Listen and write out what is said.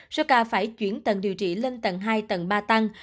số ca phải chuyển tầng điều trị lên tầng hai tầng ba tăng